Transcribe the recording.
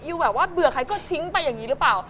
แบบว่าเบื่อใครก็ทิ้งไปอย่างนี้หรือเปล่า